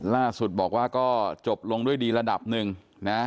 ล่าสุดบอกว่าก็จบลงด้วยดีระดับหนึ่งนะ